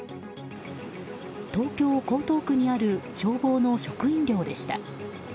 東京・江東区にある消防の職員寮でした。